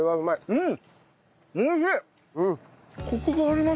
うん。